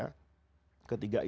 ketiga itu saya kembali ke rumah sakit